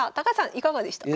いかがでしたか？